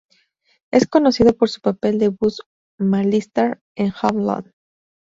Es conocido por su papel de "Buzz McAllister" en "Home Alone".